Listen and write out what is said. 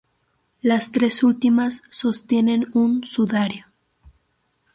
Las tres últimas sostienen un sudario.